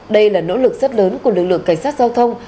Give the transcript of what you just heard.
đây là nỗ lực rất lớn của lực lượng cảnh sát giao thông